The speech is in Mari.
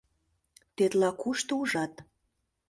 — Тетла кушто ужат?